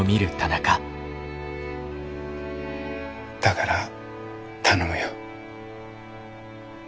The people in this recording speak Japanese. だから頼むよ。